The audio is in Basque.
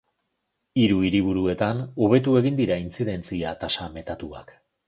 Hiru hiriburuetan hobetu egin dira intzidentzia-tasa metatuak.